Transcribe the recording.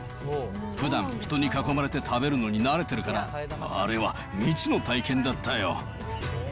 ふだん、人に囲まれて食べるのに慣れてるから、あれは未知の体験だったよ